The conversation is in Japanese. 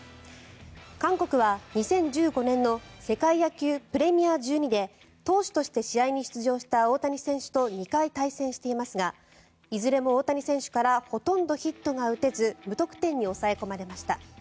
韓国は２０１５年の世界野球プレミア１２で投手として試合に出場した大谷選手と２回対戦していますがいずれも大谷選手からほとんどヒットが打てず無得点に抑え込まれました。